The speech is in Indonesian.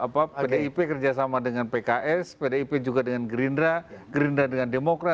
pdip kerjasama dengan pks pdip juga dengan gerindra gerindra dengan demokrat